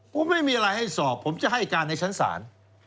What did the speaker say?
ผมไม่มีอะไรให้สอบผมจะให้การในชั้นศาล